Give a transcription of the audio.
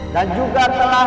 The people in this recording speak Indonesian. dan juga telah